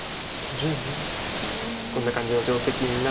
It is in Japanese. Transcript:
こんな感じの定石になって。